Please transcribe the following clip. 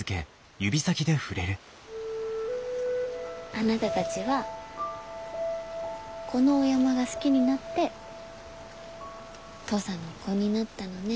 あなたたちはこのお山が好きになって土佐の子になったのね。